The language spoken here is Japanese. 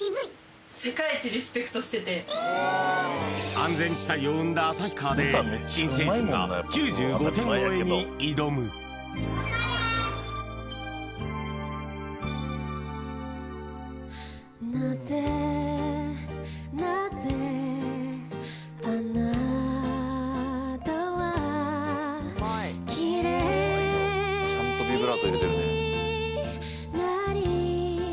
安全地帯を生んだ旭川で新成人が９５点超えに挑むうまいちゃんとビブラート入れてるね